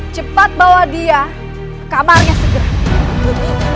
cepat bawa dia kamarnya segera